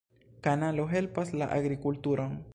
Kanalo helpas la agrikulturon.